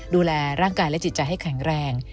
ดูแลร่างกายและจิตใจให้แข็งแรง